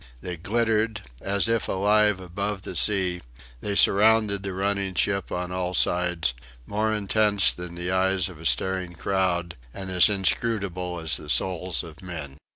They glittered, as if alive above the sea; they surrounded the running ship on all sides; more intense than the eyes of a staring crowd, and as inscrutable as the souls of men.